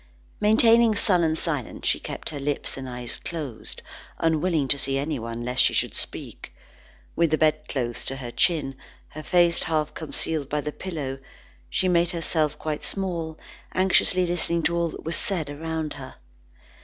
Maintaining sullen silence, she kept her lips and eyes closed, unwilling to see anyone lest she should speak. With the bedclothes to her chin, her face half concealed by the pillow, she made herself quite small, anxiously listening to all that was said around her.